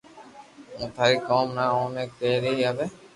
ھون ٿاري ڪوم نا آوو تي ڪي ري آوئ